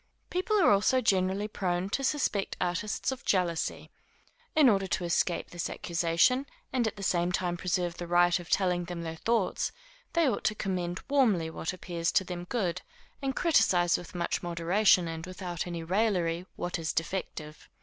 People are also generally prone to suspect artists of jealousy. In order to escape this accusation, and at the same time preserve the right of telling their thoughts, they ought to commend warmly what appears to them good, and criticise with much moderation and without any raillery what is defective.